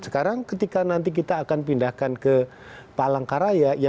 sekarang ketika nanti kita akan pindahkan ke palangkaraya